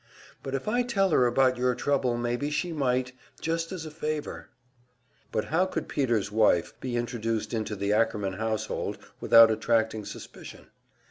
But if I tell her about your trouble maybe she might, just as a favor." But how could Peter's wife be introduced into the Ackerman household without attracting suspicion?